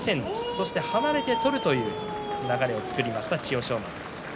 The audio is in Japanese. そして離れて取るという流れを作りました、千代翔馬です。